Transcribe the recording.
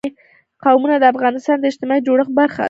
قومونه د افغانستان د اجتماعي جوړښت برخه ده.